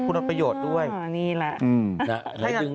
นี่แหละหรือจริงหรือจริงหรือจริงหรือจริงหรือจริง